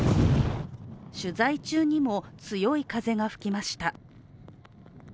取材中にも強い風が吹きました。